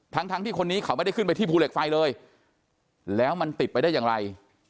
ทั้งทั้งที่คนนี้เขาไม่ได้ขึ้นไปที่ภูเหล็กไฟเลยแล้วมันติดไปได้อย่างไร